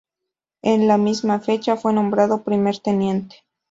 En la misma fecha, fue nombrado primer teniente.